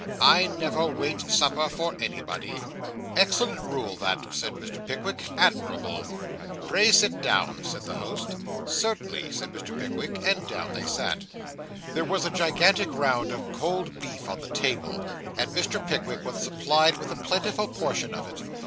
I never wait supper for anybody.' 'Excellent rule, that,' said Mr. Pickwick 'admirable.' 'Pray, sit down,' said the host. 'Certainly' said Mr. Pickwick; and down they sat. There was a gigantic round of cold beef on the table, and Mr. Pickwick was supplied with a plentiful portion of it.